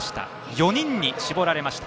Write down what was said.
４人に絞られました。